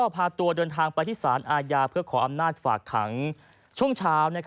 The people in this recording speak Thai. ไปที่ศาลอาญาเพื่อขออำนาจฝากถังช่วงเช้า